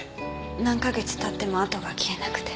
何カ月経っても痕が消えなくて。